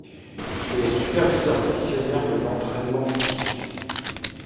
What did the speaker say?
Il est superviseur divisionnaire de l'entraînement physique.